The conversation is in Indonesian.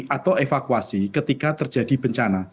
atau evakuasi ketika terjadi bencana